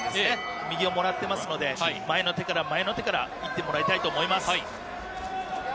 状態が少し前につんのめって、右をもらっていますので、前の手から、前の手からいってもらいたいと思います。